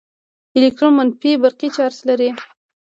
الکترون منفي برقي چارچ لري.